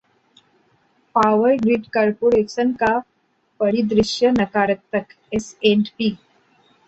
power grid corporation का परिदृश्य नकारात्मक: एसएंडपी